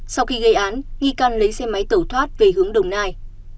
sau khi gây án nghi căn lấy xe máy tẩu thoát về hướng đồng nai